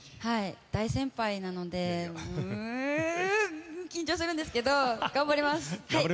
大先輩なので緊張するんですけど頑張ります！